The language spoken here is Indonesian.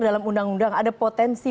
dalam undang undang ada potensi